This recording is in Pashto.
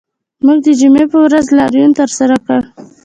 موږ د جمعې په ورځ لاریون ترسره کړ